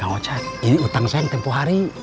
kang ujat ini utang saya yang tempuh hari